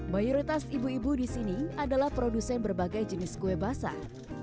mayoritas ibu ibu di sini adalah produsen berbagai jenis kue basah